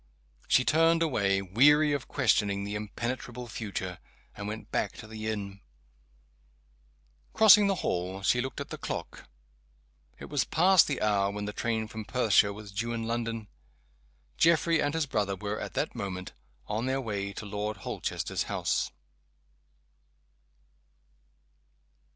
She turned away, weary of questioning the impenetrable future, and went back to the inn. Crossing the hall she looked at the clock. It was past the hour when the train from Perthshire was due in London. Geoffrey and his brother were, at that moment, on their way to Lord Holchester's house.